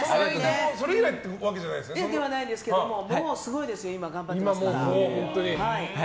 それ以来ってわけでは？ではないですけどもう、すごいですよ今、頑張ってますから。